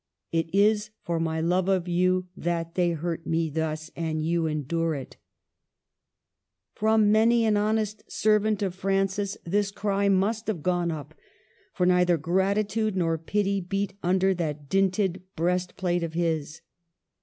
" It is for my love of you that they hurt me thus ; and you endure it !" From many an honest servant of Francis this cry must have gone u]3, for neither gratitude nor pity beat under that dinted breastplate of his.